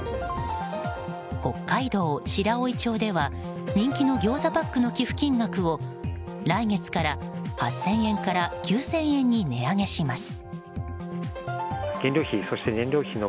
北海道白老町では人気のギョーザパックの寄付金額を、来月から８０００円から９０００円に値上げします。